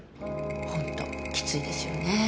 ホントきついですよね